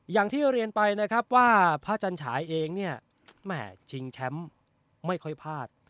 อย่างที่เรียนไปนะครับว่าพระจันฉายเองเนี่ยแหม่ชิงแชมป์ไม่ค่อยพลาด